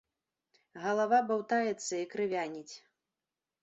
Галава баўтаецца і крывяніць.